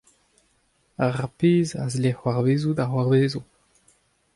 Ar pezh a zle c'hoarvezout a c'hoarvezo.